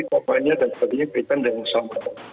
pokoknya dan sebagainya kaitan dengan sama